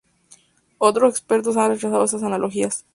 Otros expertos han rechazado estas analogías.